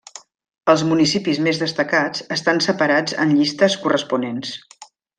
Els municipis més destacats estan separats en llistes corresponents.